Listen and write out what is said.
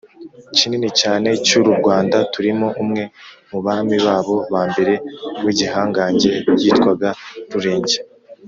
cyinini cyane cy’uru rwanda turimo. umwe mu bami babo ba mbere w’igihangange yitwaga rurenge.